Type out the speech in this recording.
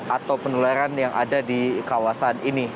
atau penularan yang ada di kawasan ini